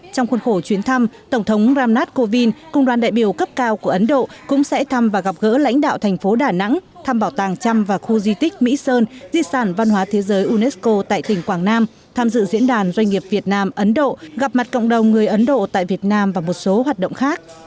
trong khuôn khổ chuyến thăm tổng thống ramnath kovind cùng đoàn đại biểu cấp cao của ấn độ cũng sẽ thăm và gặp gỡ lãnh đạo thành phố đà nẵng thăm bảo tàng trăm và khu di tích mỹ sơn di sản văn hóa thế giới unesco tại tỉnh quảng nam tham dự diễn đàn doanh nghiệp việt nam ấn độ gặp mặt cộng đồng người ấn độ tại việt nam và một số hoạt động khác